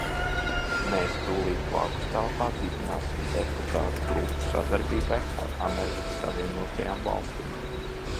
Mēs tūlīt blakustelpā dibināsim deputātu grupu sadarbībai ar Amerikas Savienotajām Valstīm.